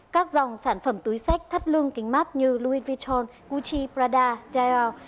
các dòng sản phẩm túi xách thắt lưng kính mắt như louis vuitton gucci prada dior